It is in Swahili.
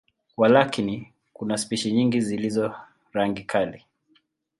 Walakini, kuna spishi nyingi zilizo rangi kali.